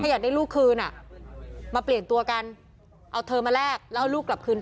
ถ้าอยากได้ลูกคืนน่ะมาเปลี่ยนตัวกันเอาเธอมาแลกหลังกับลูกหลักคืนไป